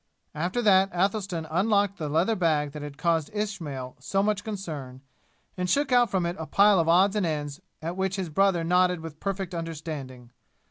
After that Athelstan unlocked the leather bag that had caused Ismail so much concern and shook out from it a pile of odds and ends at which his brother nodded with perfect understanding.